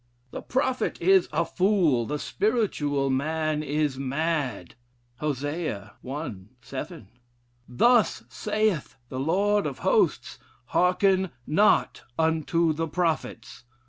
'The prophet is a fool: the spiritual man is mad.' Hosea i. 7. 'Thus saith the Lord of Hosts: hearken not unto the prophets.'